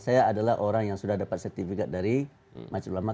saya adalah orang yang sudah dapat sertifikat dari maculama